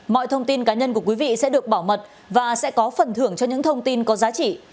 mọi thông tin cá nhân của quý vị sẽ được bảo mật và sẽ có phần thưởng cho những thông tin có giá trị